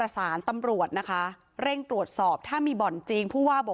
ยังไม่รู้เรื่องที่เกิดขึ้น